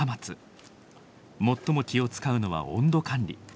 最も気を遣うのは温度管理。